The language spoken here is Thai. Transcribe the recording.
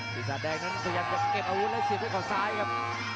พี่สาดแดงนั้นก็ยังจะเก็บอาวุธและเสียบเข้าซ้ายครับ